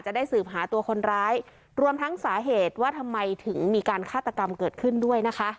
ได้สืบหาตัวคนร้ายรวมทั้งสาเหตุว่าทำไมถึงมีการฆาตกรรมเกิดขึ้นด้วยนะคะ